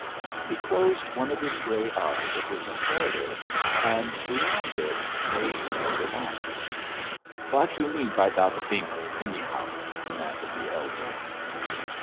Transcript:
He closed one of his gray eyes at his employer, and beyond this made no remark. "Vat you mean by dat vink, anyhow?" demanded the elder.